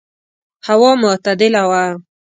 هوا معتدله وه.